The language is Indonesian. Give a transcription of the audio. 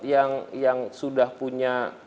yang sudah punya